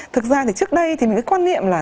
thực ra thì trước đây thì mình có quan niệm là